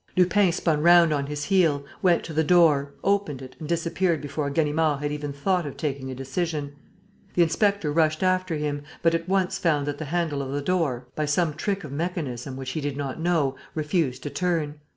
Lupin spun round on his heel, went to the door, opened it and disappeared before Ganimard had even thought of taking a decision. The inspector rushed after him, but at once found that the handle of the door, by some trick of mechanism which he did not know, refused to turn.